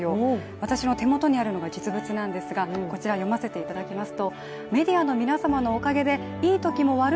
私の手元にあるのが実物なんですが読ませていただきます。